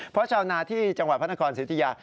เพราะชาวนาที่จังหวัดพระนครสิทธิยา